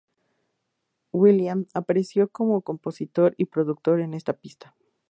Will.i.am apareció como compositor y productor en esta pista.